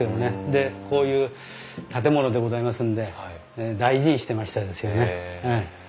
でこういう建物でございますんで大事にしてましたですよね。